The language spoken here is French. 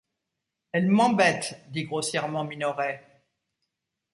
Elle m’embête! dit grossièrement Minoret.